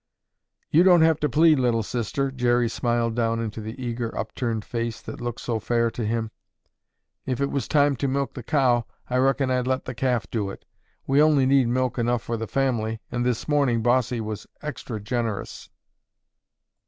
"You don't have to plead, Little Sister," Jerry smiled down into the eager, upturned face that looked so fair to him; "if it was time to milk the cow, I reckon I'd let the calf do it. We only need milk enough for the family and this morning Bossie was extra generous."